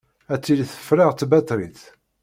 Ad tili tefreɣ tbaṭrit.